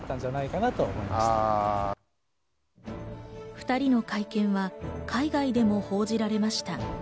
２人の会見は海外でも報じられました。